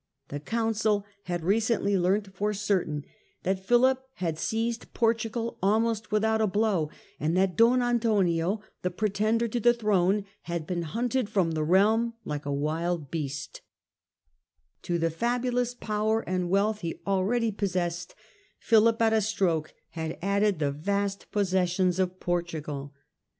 The Council had recently learnt for certain that Philip had seized Portugal almost without a blow, and that Don Antonio, the pretender to the throne, had been hunted from the realm like a wild beast To the fabulous power and wealth he already possessed, Philip at a stroke had added the vast possessions of Portugal.